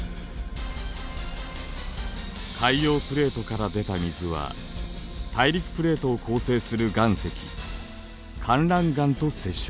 海洋プレートから出た水は大陸プレートを構成する岩石かんらん岩と接触。